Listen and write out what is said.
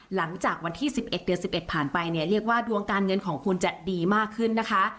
หลังจากวันที่๑๑เดือน๑๑ผ่านไปเนี่ยเรียกว่าดวงการเงินของคุณจะดีมากขึ้นนะคะ